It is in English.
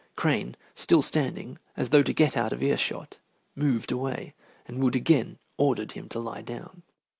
Crane, still standing, as though to get out of ear shot, moved away, and Wood again ordered him to lie down.